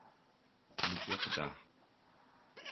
Мыкӏэ къыдахь!